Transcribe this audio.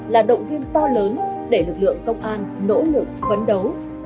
là động viên to lớn để lực lượng công an nỗ lực phấn đấu